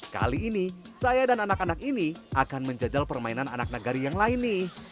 kali ini saya dan anak anak ini akan menjajal permainan anak negari yang lain nih